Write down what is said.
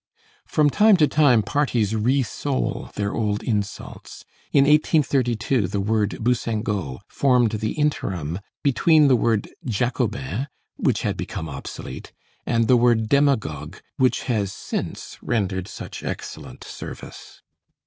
From time to time, parties re sole their old insults. In 1832, the word bousingot formed the interim between the word jacobin, which had become obsolete, and the word demagogue which has since rendered such excellent service.